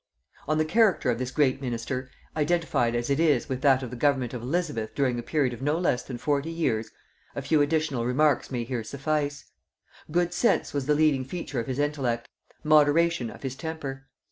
On the character of this great minister, identified as it is with that of the government of Elizabeth during a period of no less than forty years, a few additional remarks may here suffice. Good sense was the leading feature of his intellect; moderation of his temper.